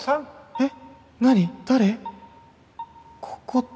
えっ！？